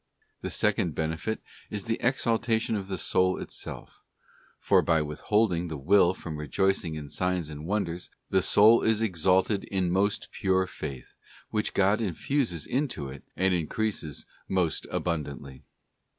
The second benefit is the exaltation of the soul itself; for by withholding the will from rejoicing in signs and wonders, the soul is exalted in most pure Faith which God infuses into it and increases most abundantly.